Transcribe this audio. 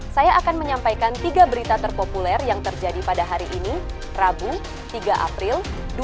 saya akan menyampaikan tiga berita terpopuler yang terjadi pada hari ini rabu tiga april dua ribu dua puluh